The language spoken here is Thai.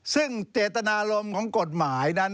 ซึ่งเจตนารมณ์ของกฎหมายนั้น